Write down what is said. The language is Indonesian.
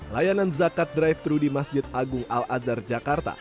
layanan zakat drive thru di masjid agung al azhar jakarta